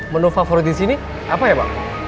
menu favorit disini apa ya pak